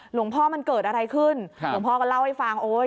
หลวงพ่อมันเกิดอะไรขึ้นครับหลวงพ่อก็เล่าให้ฟังโอ้ย